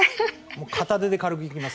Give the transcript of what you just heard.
片手で軽くいきますね。